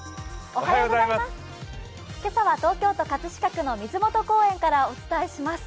今朝は東京都葛飾区の水元公園からお伝えします。